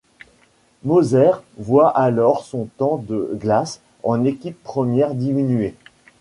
Mozer voit alors son temps de glace en équipe première diminuer.